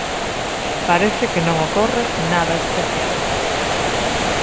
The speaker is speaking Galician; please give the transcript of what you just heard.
Parece que non ocorre nada especial.